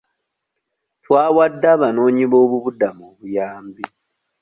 Twawadde abanoonyiboobubudamu obuyambi.